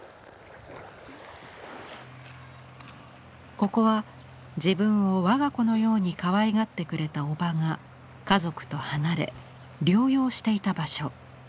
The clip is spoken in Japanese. ここは自分を我が子のようにかわいがってくれたおばが家族と離れ療養していた場所。